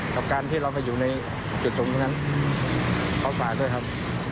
กับการที่เราไปอยู่ในจุดตรงนั้นขอฝากด้วยครับ